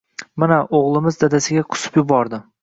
“mana o‘g‘limiz dadasiga qusib yubordi”